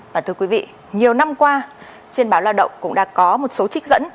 và thưa quý vị nhiều năm qua trên báo lao động cũng đã có một số trích dẫn